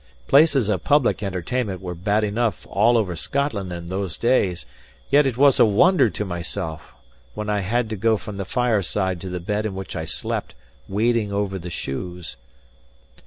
Places of public entertainment were bad enough all over Scotland in those days; yet it was a wonder to myself, when I had to go from the fireside to the bed in which I slept, wading over the shoes.